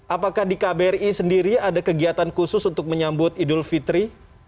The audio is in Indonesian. apakah di kbri sendiri ada kegiatan khusus untuk menyambut idul fitri